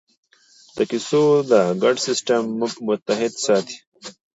د کیسو دا ګډ سېسټم موږ متحد ساتي.